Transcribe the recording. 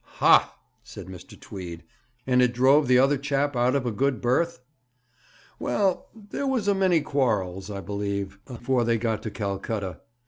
'Ha!' said Mr. Tweed; 'and it drove the other chap out of a good berth?' 'Well, there was a many quarrels, I believe, afore they got to Calcutta.